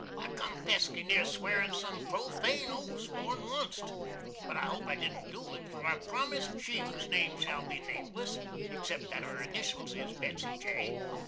I come pesky near swearin sum profane oaths more'n onct, but I hope I didn't do it, for I've promist she whose name shall be nameless (except that her initials is Betsy J.)